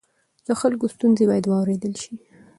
د خلکو ستونزې باید واورېدل شي.